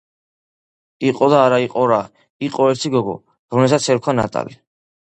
იყო და არა იყო რა იყო ერთი გოგო რომელსაც ერქვა ნატალია